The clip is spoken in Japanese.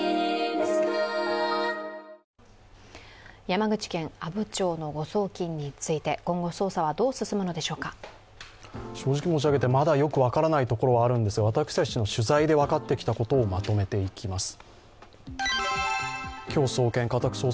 山口県阿武町の誤送金について、今後、捜査はどう進むのでしょうか正直申し上げて、まだよく分からないところがあるんですが、私たちの取材で分かってきたことをまとめていきます。